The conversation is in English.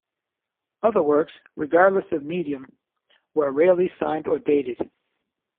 Other works, regardless of medium were rarely signed or dated.